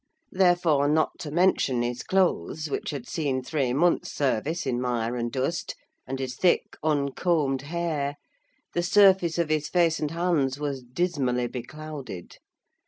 Therefore, not to mention his clothes, which had seen three months' service in mire and dust, and his thick uncombed hair, the surface of his face and hands was dismally beclouded.